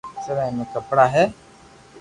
سلائي مي ڪپڙا ھي